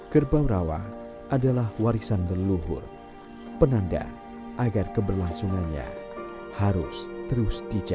kerbau rawa adalah warisan leluhur penanda agar keberlangsungannya harus terus dijaga